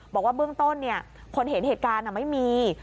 บอกว่าเบื้องต้นคนเห็นเหตุการณ์ไม่มี